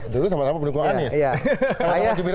dulu sama sama pendukung anies